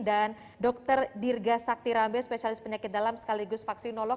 dan dr dirga sakti rambia spesialis penyakit dalam sekaligus vaksinolog